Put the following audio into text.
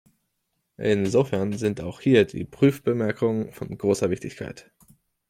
Insofern sind auch hier die Prüfbemerkungen von großer Wichtigkeit.